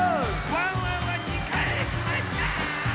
ワンワンは２かいへきました！